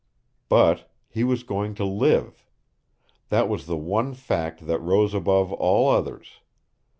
But he was going to live! That was the one fact that rose above all others.